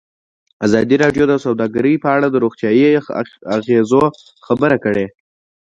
ازادي راډیو د سوداګري په اړه د روغتیایي اغېزو خبره کړې.